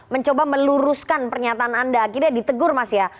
mencoba meluruskan pernyataan anda akhirnya ditegur mas ya